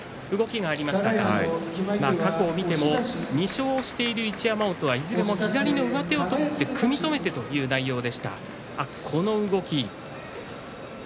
過去を見ても２勝している一山本はいずれも左の上手を取って組み止めてという内容でした。